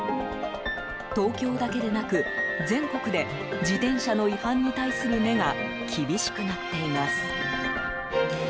東京だけでなく全国で自転車の違反に対する目が厳しくなっています。